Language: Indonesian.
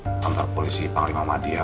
datang ke kantor polisi panglima madia